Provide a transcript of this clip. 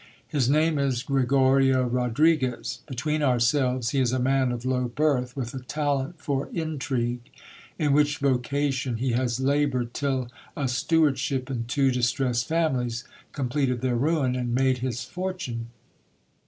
His name is Gregorio Rodriguez. Between ourselves, he is a man of low birth, with a talent for intrigue, in which vocation he has laboured till a stewardship in two distressed families completed their ruin, and made his fortune.